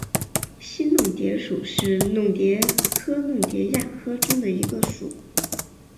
新弄蝶属是弄蝶科弄蝶亚科中的一个属。